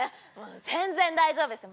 全然大丈夫ですよ。